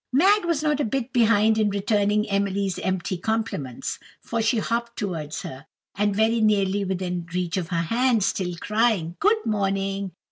Mag was not a bit behind in returning Emily's empty compliments, for she hopped towards her, and very nearly within reach of her hand, still crying, "Good morning!